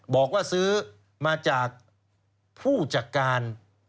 บอกว่าซื้อมาจากผู้จัดการ